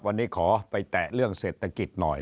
วันนี้ขอไปแตะเรื่องเศรษฐกิจหน่อย